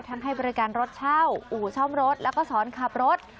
ให้บริการรถเช่าอู่ซ่อมรถแล้วก็สอนขับรถ